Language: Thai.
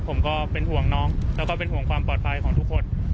ผมก็เป็นห่วงน้องแล้วก็เป็นห่วงความปลอดภัยของทุกคน